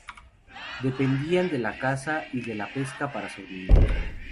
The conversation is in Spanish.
Dependían de la caza y de la pesca para sobrevivir.